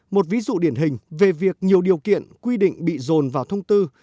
một ví dụ điển hình về việc nhiều điều kiện quy định bị dồn vào thông tư